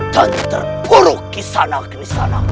dan terpuruk di sana kini sana